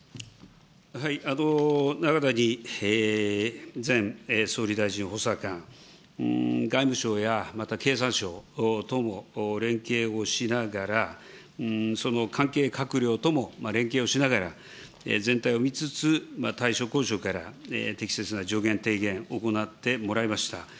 なかたに前総理大臣補佐官、外務省やまた経産省等も連携をしながら、その関係閣僚とも連携をしながら、全体を見つつ、大所高所から適切な助言、提言を行ってもらいました。